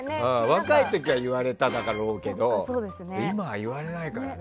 若い時は言われただろうけど今は言われないからね。